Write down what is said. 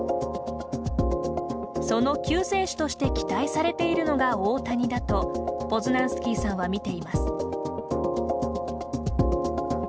その救世主として期待されているのが大谷だとポズナンスキーさんはみています。